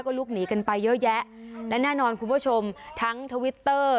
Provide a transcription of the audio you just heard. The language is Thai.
ลุกหนีกันไปเยอะแยะและแน่นอนคุณผู้ชมทั้งทวิตเตอร์